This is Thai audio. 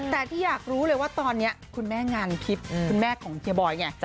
แต่ที่อยากรู้เลยว่าตอนนี้คุณแม่งานทิพย์คุณแม่ของเฮียบอยไง